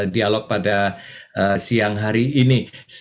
dialog pada siang hari ini